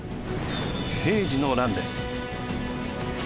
平治の乱です。